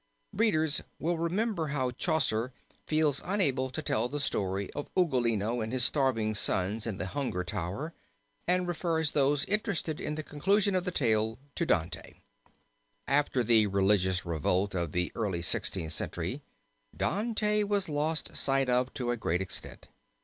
Readers will remember how Chaucer feels unable to tell the story of Ugolino and his starving sons in the Hunger Tower, and refers those interested in the conclusion of the tale to Dante. After the religious revolt of the early Sixteenth Century Dante was lost sight of to a great extent.